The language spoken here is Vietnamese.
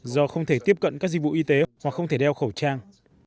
do không thể tiếp cận các dịch vụ y tế hoặc không thể đeo khẩu trang